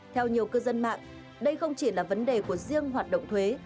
theo nhiều cư dân mạng đây không chỉ là vấn đề của riêng hoạt động thuế